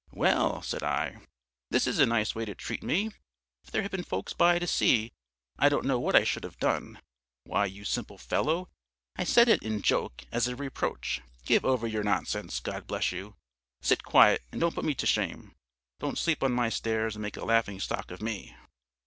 "'Well,' said I, 'this is a nice way to treat me! If there had been folks by to see, I don't know what I should have done! Why, you simple fellow, I said it you in joke, as a reproach. Give over your nonsense, God bless you! Sit quiet and don't put me to shame, don't sleep on my stairs and make a laughing stock of me.'